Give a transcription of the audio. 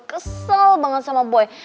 kesel banget sama boy